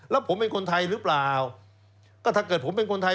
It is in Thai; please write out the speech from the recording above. แล้วผมเป็นคนไทยหรือเปล่าก็ถ้าเกิดผมเป็นคนไทย